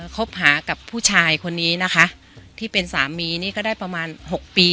คบหากับผู้ชายคนนี้นะคะที่เป็นสามีนี่ก็ได้ประมาณ๖ปี